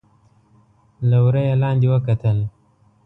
له وره يې لاندې وکتل.